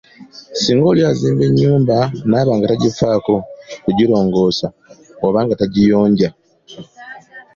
Singa oli azimba enyumba, n'aba nga tagifaako kugirongoosa oba nga tagiyonja.